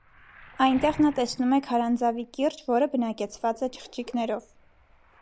Այնտեղ նա տեսնում է քարանձավի կիրճ, որը բնակեցված է չղջիկներով։